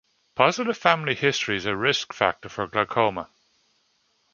Positive family history is a risk factor for glaucoma.